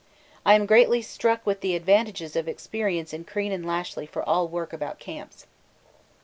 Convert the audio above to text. I am greatly struck with the advantages of experience in Crean and Lashly for all work about camps.